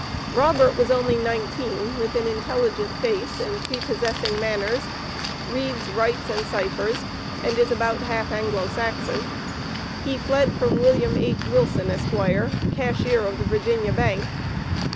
Robert was only nineteen, with an intelligent face and prepossessing manners; reads, writes and ciphers; and is about half Anglo Saxon. He fled from Wm. H. Wilson, Esq., Cashier of the Virginia Bank.